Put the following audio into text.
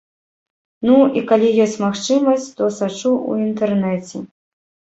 Ну, і калі ёсць магчымасць, то сачу ў інтэрнэце.